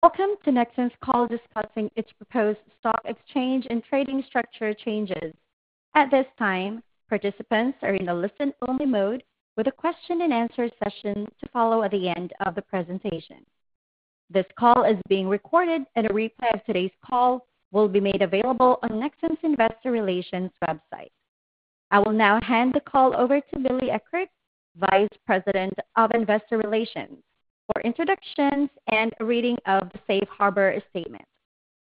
Welcome to Nexxen's call discussing its proposed stock exchange and trading structure changes. At this time, participants are in a listen-only mode with a question-and-answer session to follow at the end of the presentation. This call is being recorded, and a replay of today's call will be made available on Nexxen's Investor Relations website. I will now hand the call over to Billy Eckert, Vice President of Investor Relations, for introductions and a reading of the safe harbor statement.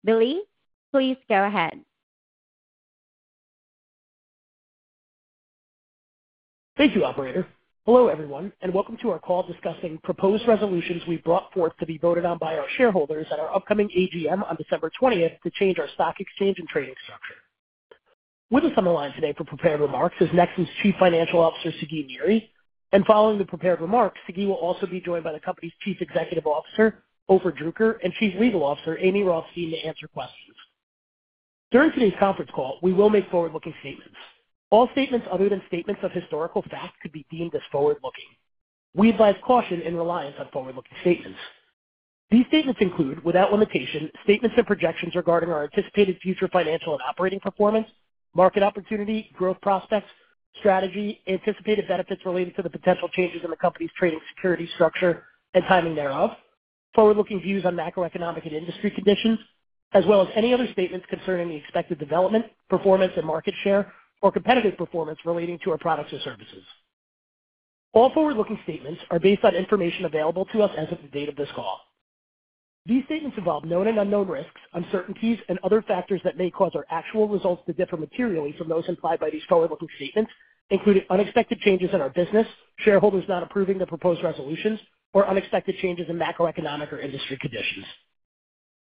Billy, please go ahead. Thank you, Operator. Hello, everyone, and welcome to our call discussing proposed resolutions we brought forth to be voted on by our shareholders at our upcoming AGM on December 20th to change our stock exchange and trading structure. With us on the line today for prepared remarks is Nexxen's Chief Financial Officer, Sagi Niri, and following the prepared remarks, Sagi will also be joined by the company's Chief Executive Officer, Ofer Druker, and Chief Legal Officer, Amy Rothstein, to answer questions. During today's conference call, we will make forward-looking statements. All statements other than statements of historical fact could be deemed as forward-looking. We advise caution in reliance on forward-looking statements. These statements include, without limitation, statements and projections regarding our anticipated future financial and operating performance, market opportunity, growth prospects, strategy, anticipated benefits related to the potential changes in the company's trading security structure and timing thereof, forward-looking views on macroeconomic and industry conditions, as well as any other statements concerning the expected development, performance, and market share or competitive performance relating to our products or services. All forward-looking statements are based on information available to us as of the date of this call. These statements involve known and unknown risks, uncertainties, and other factors that may cause our actual results to differ materially from those implied by these forward-looking statements, including unexpected changes in our business, shareholders not approving the proposed resolutions, or unexpected changes in macroeconomic or industry conditions.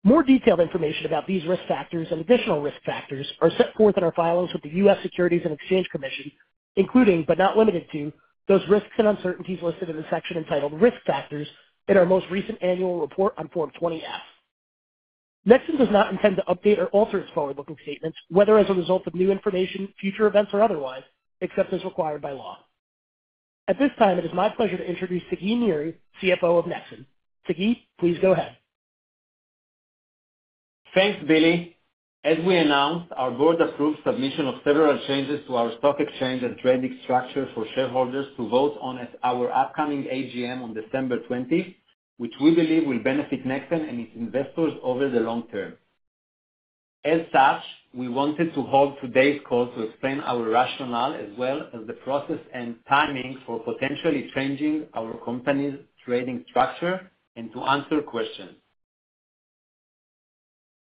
More detailed information about these risk factors and additional risk factors are set forth in our filings with the U.S. Securities and Exchange Commission, including, but not limited to, those risks and uncertainties listed in the section entitled Risk Factors in our most recent annual report on Form 20-F. Nexxen does not intend to update or alter its forward-looking statements, whether as a result of new information, future events, or otherwise, except as required by law. At this time, it is my pleasure to introduce Sagi Niri, CFO of Nexxen. Sagi, please go ahead. Thanks, Billy. As we announced, our board approved submission of several changes to our stock exchange and trading structure for shareholders to vote on at our upcoming AGM on December 20th, which we believe will benefit Nexxen and its investors over the long term. As such, we wanted to hold today's call to explain our rationale as well as the process and timing for potentially changing our company's trading structure and to answer questions.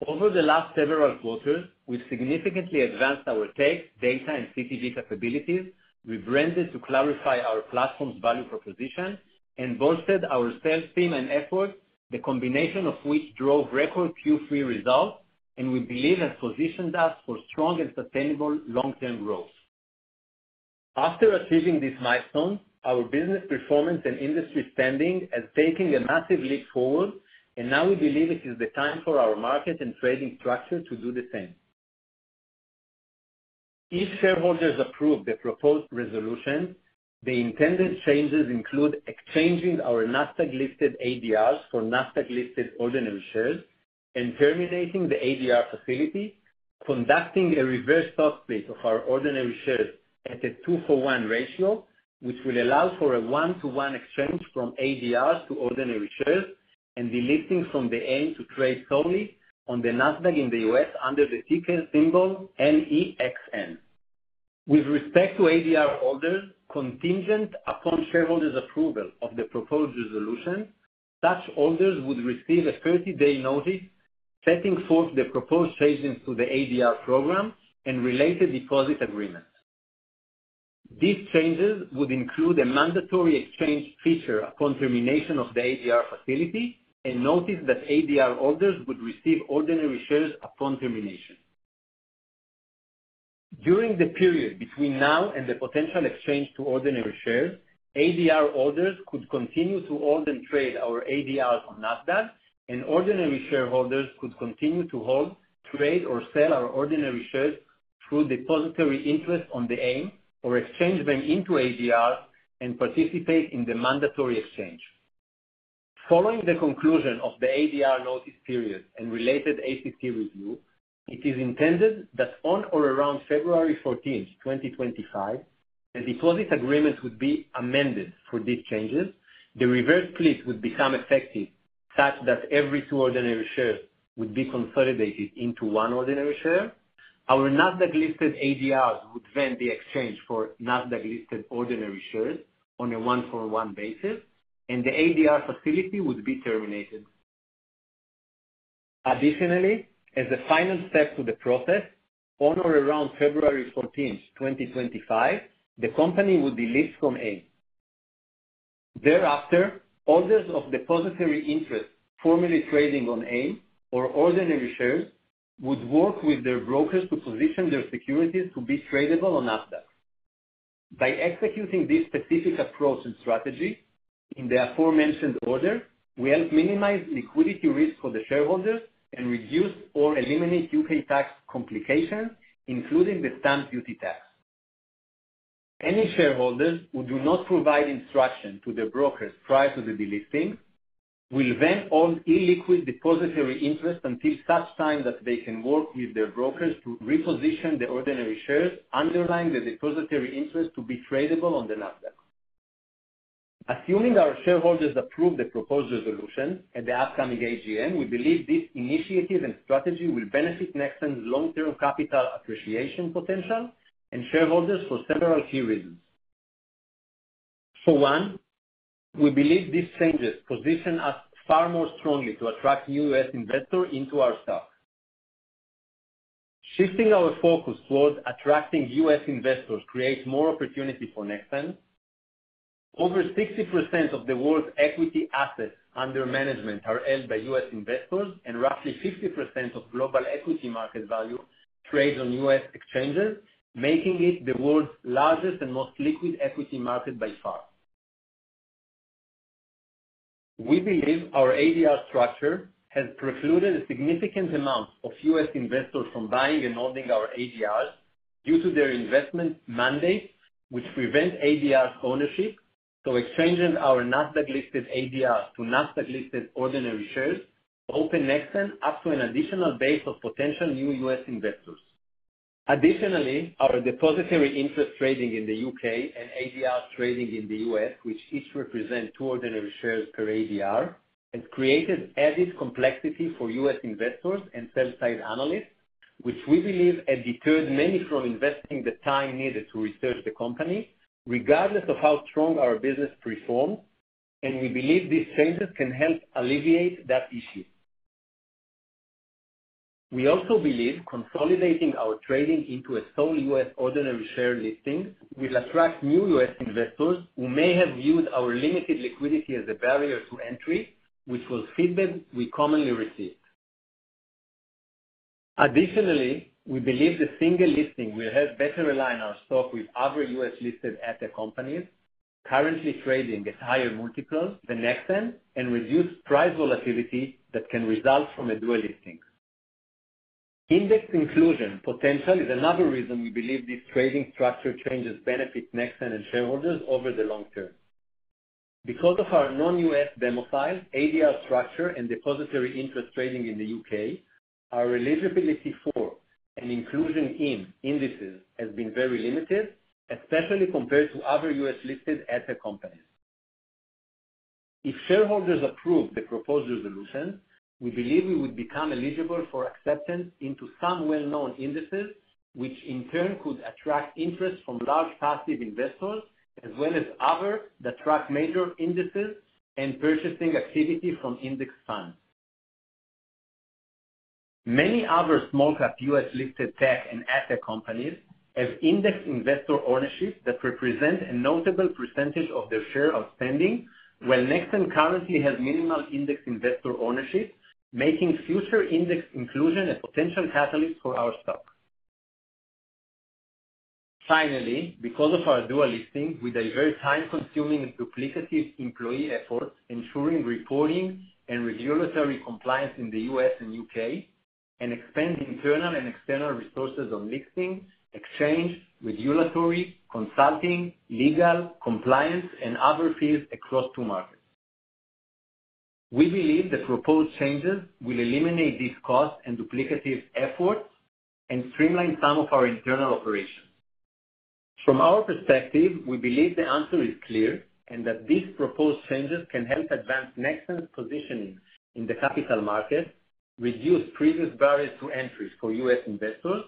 Over the last several quarters, we've significantly advanced our tech, data, and CTV capabilities. We've branded to clarify our platform's value proposition and bolstered our sales team and efforts, the combination of which drove record Q3 results, and we believe has positioned us for strong and sustainable long-term growth. After achieving these milestones, our business performance and industry standing has taken a massive leap forward, and now we believe it is the time for our market and trading structure to do the same. If shareholders approve the proposed resolutions, the intended changes include exchanging our Nasdaq-listed ADRs for Nasdaq-listed ordinary shares and terminating the ADR facility, conducting a reverse stock split of our ordinary shares at a two-for-one ratio, which will allow for a one-to-one exchange from ADRs to ordinary shares and delisting from London to trade solely on the Nasdaq in the U.S. under the ticker symbol NEXN. With respect to ADR holders, contingent upon shareholders' approval of the proposed resolutions, such holders would receive a 30-day notice setting forth the proposed changes to the ADR program and related deposit agreements. These changes would include a mandatory exchange feature upon termination of the ADR facility and notice that ADR holders would receive ordinary shares upon termination. During the period between now and the potential exchange to ordinary shares, ADR holders could continue to hold and trade our ADRs on Nasdaq, and ordinary shareholders could continue to hold, trade, or sell our ordinary shares through depositary interest on the LSE or exchange them into ADRs and participate in the mandatory exchange. Following the conclusion of the ADR notice period and related SEC review, it is intended that on or around February 14th, 2025, the deposit agreement would be amended for these changes. The reverse split would become effective such that every two ordinary shares would be consolidated into one ordinary share. Our Nasdaq-listed ADRs would then be exchanged for Nasdaq-listed ordinary shares on a 1-for-1 basis, and the ADR facility would be terminated. Additionally, as a final step to the process, on or around February 14th, 2025, the company would be delisted from the LSE. Thereafter, holders of depositary interest formerly trading on the LSE or ordinary shares would work with their brokers to position their securities to be tradable on Nasdaq. By executing this specific approach and strategy in the aforementioned order, we help minimize liquidity risk for the shareholders and reduce or eliminate U.K. tax complications, including the stamp duty tax. Any shareholders who do not provide instruction to their brokers prior to the delisting will then hold illiquid depositary interest until such time that they can work with their brokers to reposition the ordinary shares underlying the depositary interest to be tradable on the Nasdaq. Assuming our shareholders approve the proposed resolution at the upcoming AGM, we believe this initiative and strategy will benefit Nexxen's long-term capital appreciation potential and shareholders for several key reasons. For one, we believe these changes position us far more strongly to attract new U.S. investors into our stock. Shifting our focus toward attracting U.S. investors creates more opportunity for Nexxen. Over 60% of the world's equity assets under management are held by U.S. investors, and roughly 50% of global equity market value trades on U.S. exchanges, making it the world's largest and most liquid equity market by far. We believe our ADR structure has precluded a significant amount of U.S. investors from buying and holding our ADRs due to their investment mandates, which prevent ADRs ownership, so exchanging our Nasdaq-listed ADRs to Nasdaq-listed ordinary shares opens Nexxen up to an additional base of potential new U.S. investors. Additionally, our depositary interest trading in the U.K. and ADRs trading in the U.S., which each represent two ordinary shares per ADR, has created added complexity for U.S. investors and sell-side analysts, which we believe has deterred many from investing the time needed to research the company, regardless of how strong our business performs, and we believe these changes can help alleviate that issue. We also believe consolidating our trading into a sole U.S. ordinary share listing will attract new U.S. investors who may have viewed our limited liquidity as a barrier to entry, which was feedback we commonly received. Additionally, we believe the single listing will help better align our stock with other U.S.-listed asset companies currently trading at higher multiples than Nexxen and reduce price volatility that can result from a dual listing. Index inclusion potential is another reason we believe this trading structure changes benefit Nexxen and shareholders over the long term. Because of our non-U.S. domicile, ADR structure, and depositary interest trading in the U.K., our eligibility for and inclusion in indices has been very limited, especially compared to other U.S.-listed ad tech companies. If shareholders approve the proposed resolution, we believe we would become eligible for acceptance into some well-known indices, which in turn could attract interest from large passive investors as well as others that track major indices and purchasing activity from index funds. Many other small-cap U.S.-listed tech and ad tech companies have index investor ownership that represents a notable percentage of their shares outstanding, while Nexxen currently has minimal index investor ownership, making future index inclusion a potential catalyst for our stock. Finally, because of our dual listing, we divert time-consuming and duplicative employee efforts, ensuring reporting and regulatory compliance in the U.S. and U.K., and expand internal and external resources on listing, exchange, regulatory, consulting, legal, compliance, and other fields across two markets. We believe the proposed changes will eliminate these costs and duplicative efforts and streamline some of our internal operations. From our perspective, we believe the answer is clear and that these proposed changes can help advance Nexxen's positioning in the capital market, reduce previous barriers to entry for U.S. investors,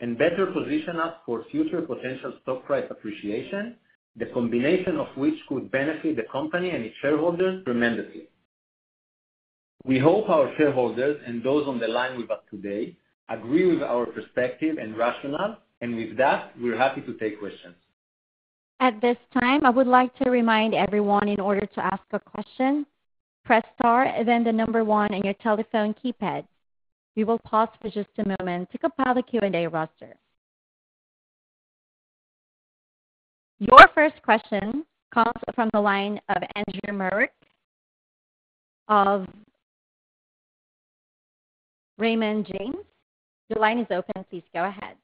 and better position us for future potential stock price appreciation, the combination of which could benefit the company and its shareholders tremendously. We hope our shareholders and those on the line with us today agree with our perspective and rationale, and with that, we're happy to take questions. At this time, I would like to remind everyone in order to ask a question, press star, then the number one on your telephone keypad. We will pause for just a moment to compile the Q&A roster. Your first question comes from the line of Andrew Marok of Raymond James. The line is open. Please go ahead.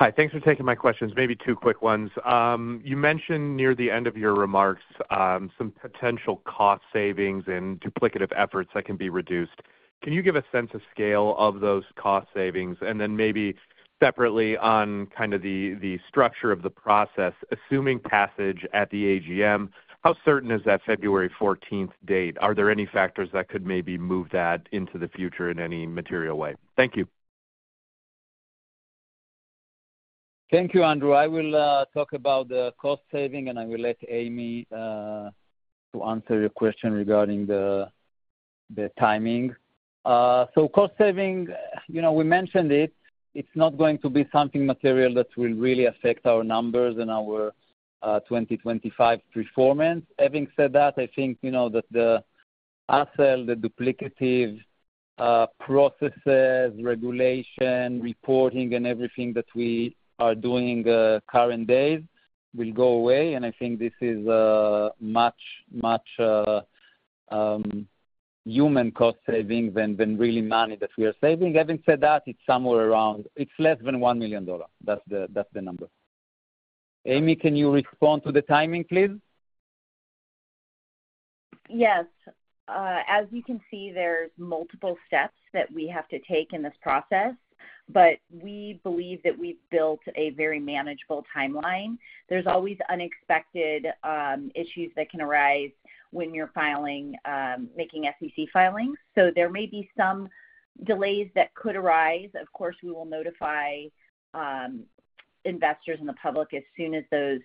Hi. Thanks for taking my questions. Maybe two quick ones. You mentioned near the end of your remarks some potential cost savings and duplicative efforts that can be reduced. Can you give a sense of scale of those cost savings and then maybe separately on kind of the structure of the process, assuming passage at the AGM, how certain is that February 14th date? Are there any factors that could maybe move that into the future in any material way? Thank you. Thank you, Andrew. I will talk about the cost savings, and I will let Amy answer your question regarding the timing. So, cost savings, we mentioned it. It's not going to be something material that will really affect our numbers and our 2025 performance. Having said that, I think that the hassle, the duplicative processes, regulation, reporting, and everything that we are doing currently will go away. And I think this is much, much human cost savings than really money that we are saving. Having said that, it's somewhere around less than $1 million. That's the number. Amy, can you respond to the timing, please? Yes. As you can see, there's multiple steps that we have to take in this process, but we believe that we've built a very manageable timeline. There's always unexpected issues that can arise when you're making SEC filings. So there may be some delays that could arise. Of course, we will notify investors and the public as soon as those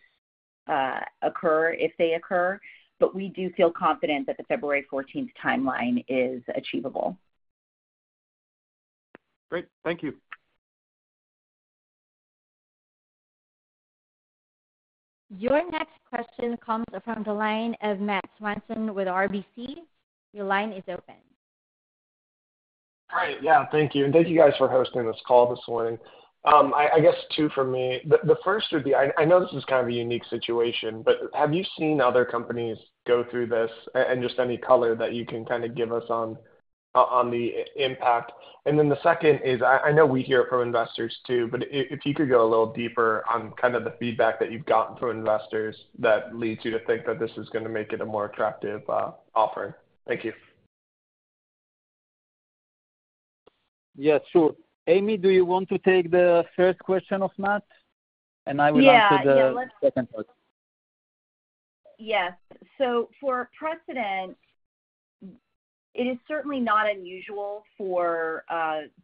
occur, if they occur, but we do feel confident that the February 14th timeline is achievable. Great. Thank you. Your next question comes from the line of Matthew Swanson with RBC. Your line is open. Great. Yeah. Thank you. And thank you guys for hosting this call this morning. I guess two for me. The first would be I know this is kind of a unique situation, but have you seen other companies go through this and just any color that you can kind of give us on the impact? And then the second is I know we hear it from investors too, but if you could go a little deeper on kind of the feedback that you've gotten from investors that leads you to think that this is going to make it a more attractive offer. Thank you. Yes. Sure. Amy, do you want to take the first question of Matt? And I will answer the second part. Yes. So for precedent, it is certainly not unusual for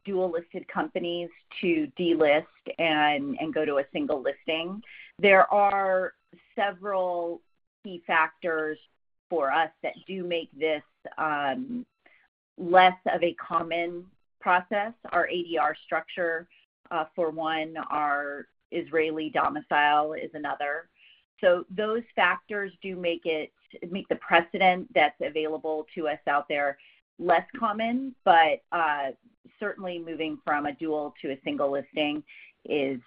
dual-listed companies to delist and go to a single listing. There are several key factors for us that do make this less of a common process. Our ADR structure, for one, our Israeli domicile is another. So those factors do make the precedent that's available to us out there less common, but certainly moving from a dual to a single listing is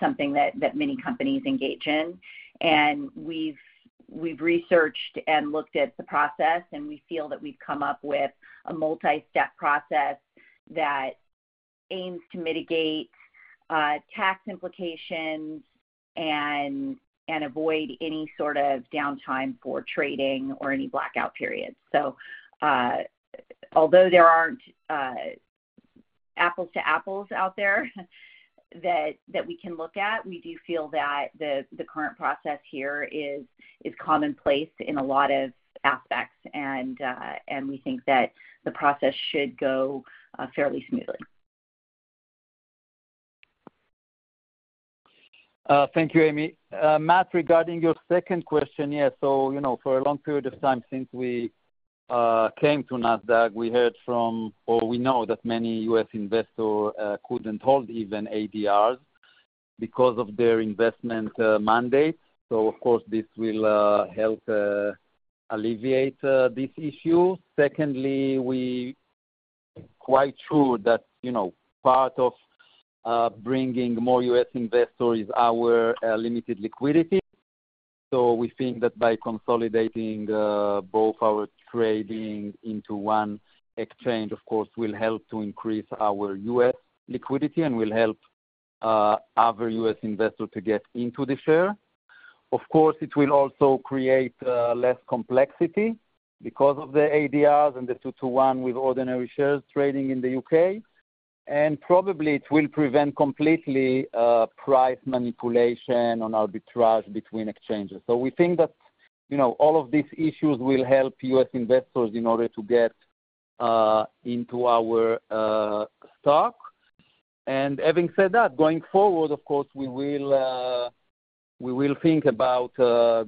something that many companies engage in. And we've researched and looked at the process, and we feel that we've come up with a multi-step process that aims to mitigate tax implications and avoid any sort of downtime for trading or any blackout periods. So although there aren't apples to apples out there that we can look at, we do feel that the current process here is commonplace in a lot of aspects, and we think that the process should go fairly smoothly. Thank you, Amy. Matt, regarding your second question, yes, so for a long period of time since we came to Nasdaq, we heard from, or we know that many U.S. investors couldn't hold even ADRs because of their investment mandates, so, of course, this will help alleviate this issue. Secondly, we are quite sure that part of bringing more U.S. investors is our limited liquidity, so we think that by consolidating both our trading into one exchange, of course, will help to increase our U.S. liquidity and will help other U.S. investors to get into the share. Of course, it will also create less complexity because of the ADRs and the two-to-one with ordinary shares trading in the U.K., and probably it will prevent completely price manipulation on arbitrage between exchanges, so we think that all of these issues will help U.S. investors in order to get into our stock. Having said that, going forward, of course, we will think about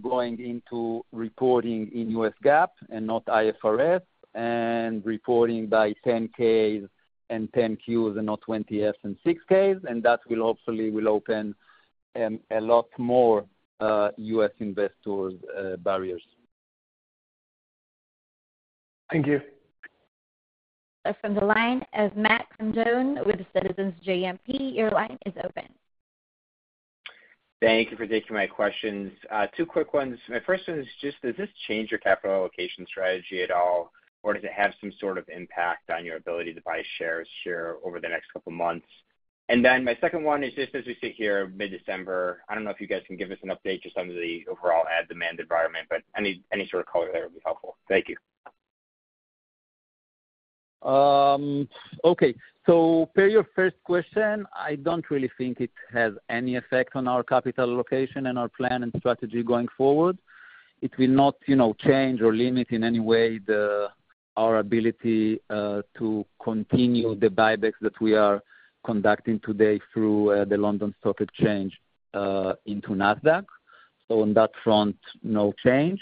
going into reporting in U.S. GAAP and not IFRS and reporting by 10-Ks and 10-Qs and not 20-Fs and 6-Ks. That will hopefully open a lot more U.S. investors' barriers. Thank you. From the line of Matthew Condon with Citizens JMP, your line is open. Thank you for taking my questions. Two quick ones. My first one is just, does this change your capital allocation strategy at all, or does it have some sort of impact on your ability to buy shares here over the next couple of months? And then my second one is just as we sit here mid-December. I don't know if you guys can give us an update just on the overall ad demand environment, but any sort of color there would be helpful. Thank you. Okay. So per your first question, I don't really think it has any effect on our capital allocation and our plan and strategy going forward. It will not change or limit in any way our ability to continue the buybacks that we are conducting today through the London Stock Exchange into Nasdaq. So on that front, no change.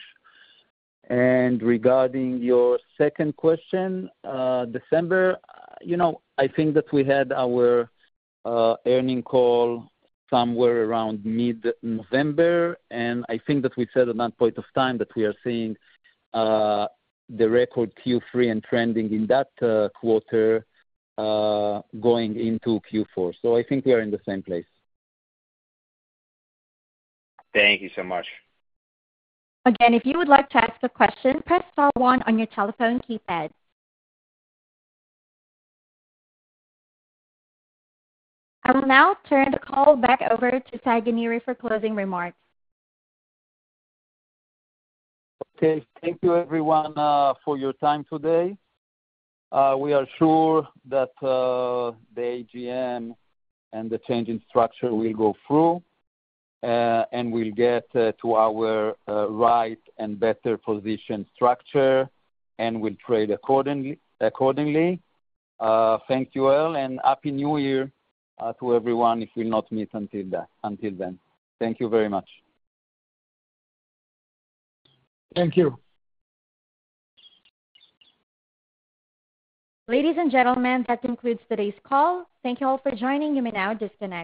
And regarding your second question, December, I think that we had our earnings call somewhere around mid-November, and I think that we said at that point of time that we are seeing the record Q3 and trending in that quarter going into Q4. So I think we are in the same place. Thank you so much. Again, if you would like to ask a question, press star one on your telephone keypad. I will now turn the call back over to Sagi Niri for closing remarks. Okay. Thank you, everyone, for your time today. We are sure that the AGM and the changing structure will go through and will get to our right and better position structure and will trade accordingly. Thank you all, and Happy New Year to everyone if we'll not meet until then. Thank you very much. Thank you. Ladies and gentlemen, that concludes today's call. Thank you all for joining. You may now disconnect.